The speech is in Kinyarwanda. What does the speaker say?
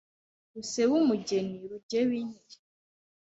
rusebe umugeni, rugebe inke,